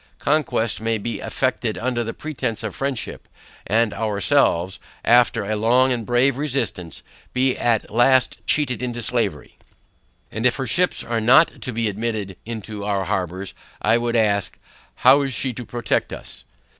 Conquest may be effected under the pretence of friendship; and ourselves, after a long and brave resistance, be at last cheated into slavery. And if her ships are not to be admitted into our harbours, I would ask, how is she to protect us?